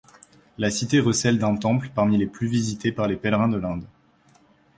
La cité recèle d'un temple parmi les plus visités par les pèlerins de l'Inde.